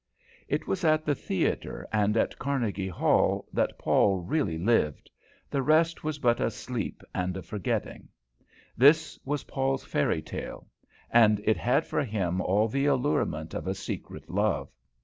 It was at the theatre and at Carnegie Hall that Paul really lived; the rest was but a sleep and a forgetting. This was Paul's fairy tale, and it had for him all the allurement of a secret love.